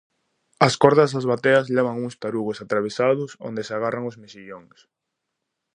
As cordas das bateas levan uns tarugos atravesados onde se agarran os mexillóns.